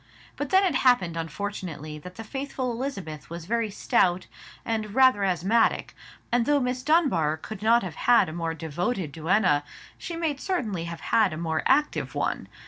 But then it happened unfortunately that the faithful Elizabeth was very stout, and rather asthmatic; and though Miss Dunbar could not have had a more devoted duenna, she might certainly have had a more active one.